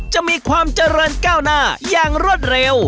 จะมีความเจริญก้าวหน้าอย่างรวดเร็ว